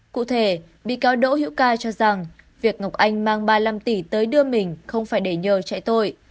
cụ thể bị cáo đỗ hiễu ca cho rằng việc ngọc anh mang ba mươi năm tỷ tới đưa mình không phải để nhờ chạy tội